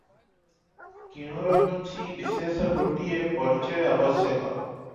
କିଣୁର କିଛି ବିଶେଷ ଗୋଟିଏ ପରିଚୟ ଆବଶ୍ୟକ ।